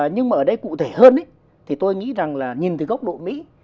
nhưng mà ở đây cụ thể hơn tôi nghĩ nhìn từ góc độ mỹ